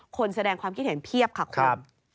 แสดงความคิดเห็นเพียบค่ะคุณ